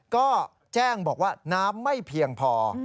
ก็แจ้งบอกว่าน้ำไม่เพียงพอ